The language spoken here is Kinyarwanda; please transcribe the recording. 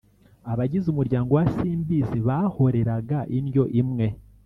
Abagize umuryango wa Simbizi bahoreraga indyo imwe;